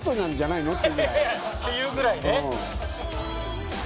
っていうぐらいね。